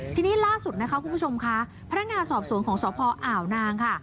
ทีนี้ล่าสุดนะคะคุณผู้ชมค่ะพนักงานสอบสวนของสพอ่าวนางค่ะ